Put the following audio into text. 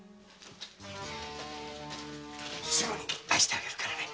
すぐに出してあげるからね。